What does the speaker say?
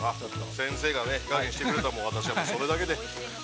◆先生が火加減してくれるからもう私はそれだけで。